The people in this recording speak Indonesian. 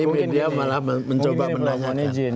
media malah mencoba menangani